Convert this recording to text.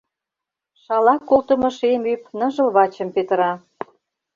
Шала колтымо шем ӱп Ныжыл вачым петыра.